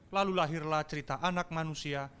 lalu lahirlah cerita anak manusia